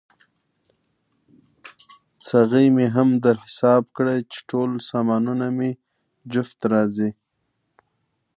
څغۍ مې هم در حساب کړه، چې ټول سامانونه مې جفت راځي.